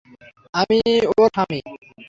আমিই ওর স্বামী।